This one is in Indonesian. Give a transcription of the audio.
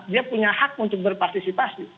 dia punya hak untuk berpartisipasi